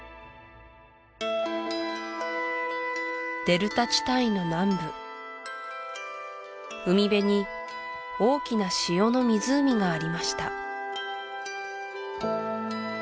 デルタ地帯の南部海辺に大きな塩の湖がありました